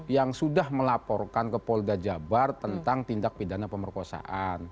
yang sudah melaporkan ke polda jabar tentang tindak pidana pemerkosaan